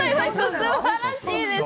すばらしいです。